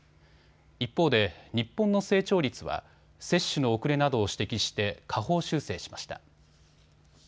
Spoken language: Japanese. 一方で日本の成長率は接種の遅れなどを指摘して下方修正しました。